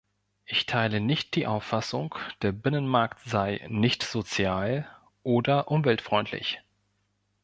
Ich teile nicht die Auffassung, der Binnenmarkt sei nicht sozial oder umweltfreundlich.